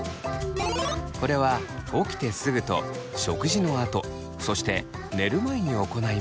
これは起きてすぐと食事のあとそして寝る前に行います。